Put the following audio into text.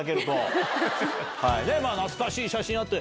で懐かしい写真あって。